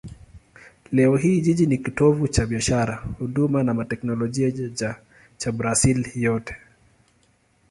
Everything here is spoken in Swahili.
Leo hii jiji ni kitovu cha biashara, huduma na teknolojia cha Brazil yote.